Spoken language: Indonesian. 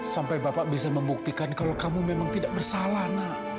sampai bapak bisa membuktikan kalau kamu memang tidak bersalah nak